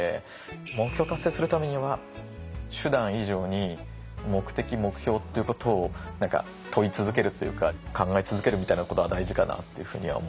目標を達成するためには手段以上に目的目標ということを何か問い続けるというか考え続けるみたいなことが大事かなというふうには思いますね。